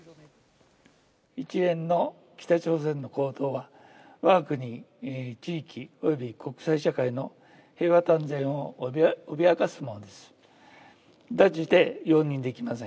一連の北朝鮮の行動は、わが国、地域および国際社会の平和と安全を脅かすものです。